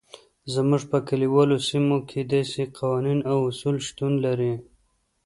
زموږ په کلیوالو سیمو کې داسې قوانین او اصول شتون لري.